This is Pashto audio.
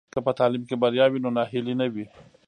که په تعلیم کې بریا وي نو ناهیلي نه وي.